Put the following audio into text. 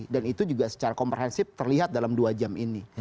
dan itu juga secara komprehensif terlihat dalam dua jam ini